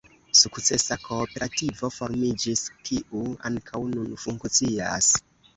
Sukcesa kooperativo formiĝis, kiu ankaŭ nun funkcias.